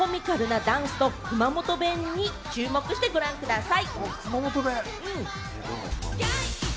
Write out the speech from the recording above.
コミカルなダンスと熊本弁に注目してご覧ください。